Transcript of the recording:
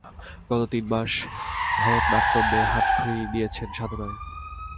গত তিন মাস ভরতনাট্যমে হাতখড়ি নিয়েছেন সাধনায়।